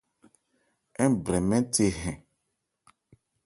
Ń brɛn mɛ́n the hɛn.